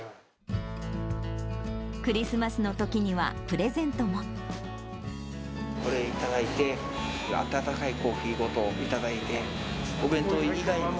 クリスマスのときにはプレゼこれ頂いて、温かいコーヒーごと頂いて、お弁当以外に。